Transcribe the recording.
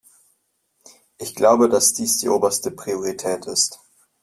Ich glaube, dass dies die oberste Priorität ist.